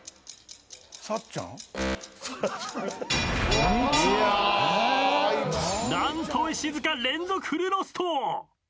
さっちゃん？何と石塚連続フルロスト！